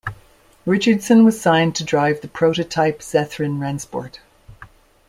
Richardson was signed to drive the prototype Zethrin Rennsport.